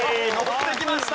ッてきました。